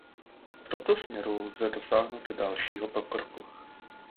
V tomto směru lze dosáhnout dalšího pokroku.